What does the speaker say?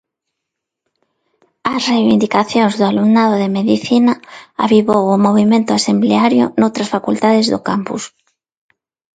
As reivindicacións do alumnado de Medicina avivou o movemento asembleario noutras facultades do campus.